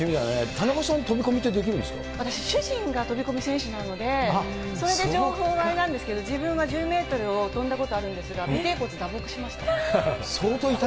田中さん、私、主人が飛込選手なので、それで情報はあれなんですけど、自分は１０メートルを飛んだことはあるんですが、尾てい骨を打撲しました。